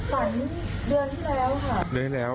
ฝันเดือนที่แล้วค่ะ